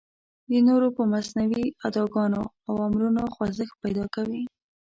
د نورو په مصنوعي اداګانو او امرونو خوځښت پیدا کوي.